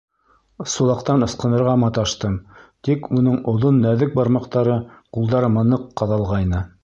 Сулаҡтан ысҡынырға маташтым, тик уның оҙон нәҙек бармаҡтары ҡулдарыма ныҡ «ҡаҙалғайны».